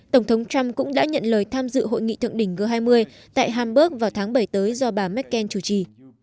tổng thống trump cũng đã nhận lời tham dự hội nghị thượng đỉnh g hai mươi tại hamberg vào tháng bảy tới do bà merkel chủ trì